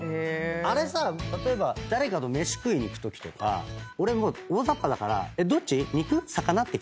あれさ例えば誰かと飯食いに行くときとか俺もう大ざっぱだからどっち？